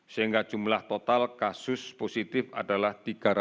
sehingga jumlah total kasus positif adalah tiga ratus enam puluh sembilan